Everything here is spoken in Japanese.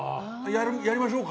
やりましょうか？